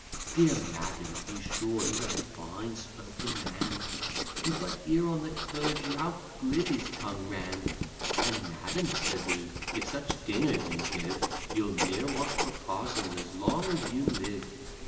_ Dear madam, be sure he's a fine spoken man, Do but hear on the clergy how glib his tongue ran; And, 'madam,' says he, 'if such dinners you give, You'll ne'er want for parsons as long as you live.